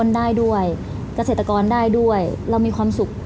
ชุมชนได้ด้วยกระเศรษฐกรได้ด้วยเรามีความสุข